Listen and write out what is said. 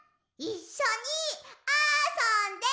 いっしょにあそんで！